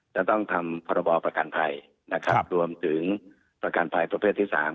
จะต้องทำพรบประกันภัยนะครับรวมถึงประกันภัยประเภทที่๓